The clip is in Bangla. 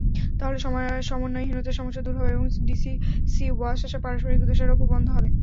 তাহলে সমন্বয়হীনতার সমস্যা দূর হবে এবং ডিসিসি-ওয়াসা পারস্পরিক দোষারোপও বন্ধ হবে।